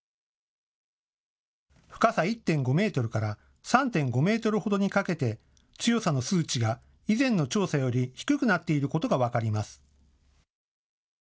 深さ１．５メートルから３．５メートルほどにかけて強さの数値が以前の調査より低くなっていることが分かります。